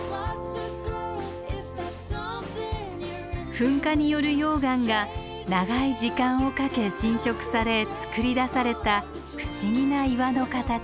噴火による溶岩が長い時間をかけ浸食されつくり出された不思議な岩の形。